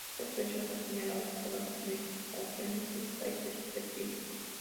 Estas fechas son señaladas por las legislaciones de los países respectivos.